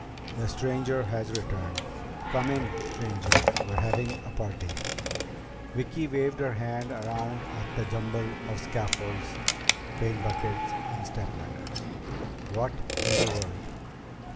"The stranger has returned! Come in, stranger! We're having a party!" Vicki waved her hand around at the jumble of scaffolds, paint buckets, and stepladders. "What in the world